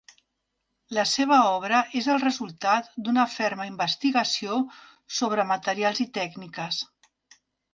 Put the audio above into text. La seva obra és el resultat d'una ferma investigació sobre materials i tècniques.